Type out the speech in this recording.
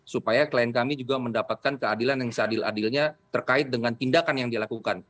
supaya klien kami juga mendapatkan keadilan yang seadil adilnya terkait dengan tindakan yang dia lakukan